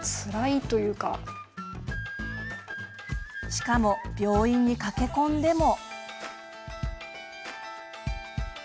しかも病院に駆け込んでも。